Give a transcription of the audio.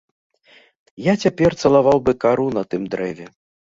Я цяпер цалаваў бы кару на тым дрэве.